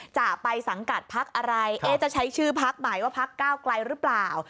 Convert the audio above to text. จะไปสังกัดพักอะไรจะใช้ชื่อพักใหม่ว่าพักก้าวไกลหรือเปล่า